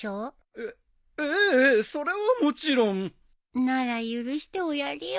えっええそれはもちろん。なら許しておやりよ。